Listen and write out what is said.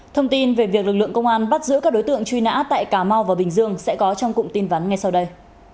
thông tin về việc lực lượng công an bắt giữ các đối tượng truy nã tại cà mau và bình dương sẽ có trong cụm tin vắn ngay sau đây